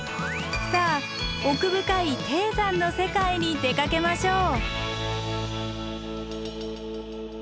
さあ奥深い低山の世界に出かけましょう。